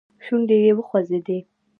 شونډې يې وخوځېدې.